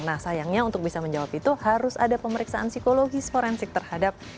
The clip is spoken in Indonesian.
nah sayangnya untuk bisa menjawab itu harus ada pemeriksaan psikologis forensik terhadap